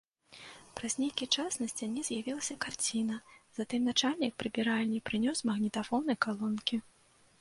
Праз нейкі час на сцяне з'явілася карціна, затым начальнік прыбіральні прынёс магнітафон і калонкі.